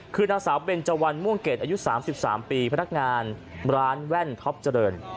คือนางสาวเบนเจาันม่วงเกรดอายุ๓๓ปีพนักงานร้านแว่นท็อปเจริญ